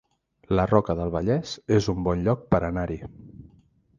La Roca del Vallès es un bon lloc per anar-hi